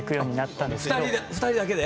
２人だけで？